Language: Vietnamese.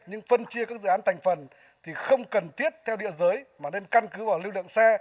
nhưng phân chia các dự án thành phần thì không cần thiết theo địa giới mà nên căn cứ vào lưu lượng xe